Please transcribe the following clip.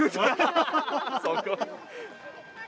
そこ？